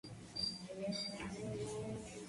No existen apenas datos biográficos de esta compositora.